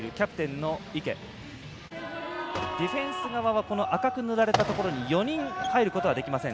ディフェンス側は赤く塗られたところに４人入ることはできません。